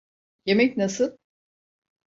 Yemek nasıl?